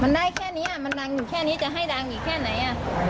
มันได้แค่นี้มันดังอยู่แค่นี้จะให้ดังอีกแค่ไหน